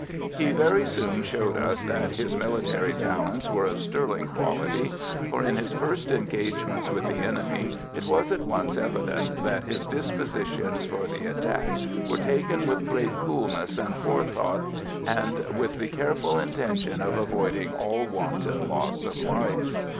He very soon showed us that his military talents were of sterling quality, for in his first engagements with the enemy it was at once evident that his dispositions for the attack were taken with great coolness and forethought, and with the careful intention of avoiding all wanton loss of life.